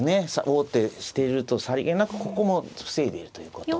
王手しているとさりげなくここも防いでいるということ。